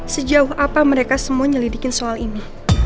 sejauh apa mereka semua nyelidikin soal ini